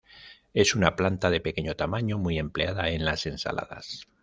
Es una planta de pequeño tamaño muy empleada en las ensaladas.